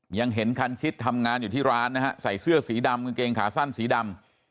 ยังเห็นคันชิดทำงานอยู่ที่ร้านนะฮะใส่เสื้อสีดำกางเกงขาสั้นสีดำ